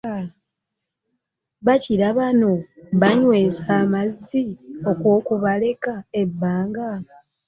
Bakira bano b'anywesa amazzi okw'okubaleka ebbanga